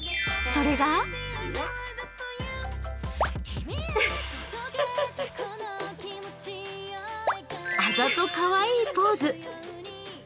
それがあざとかわいいポーズ。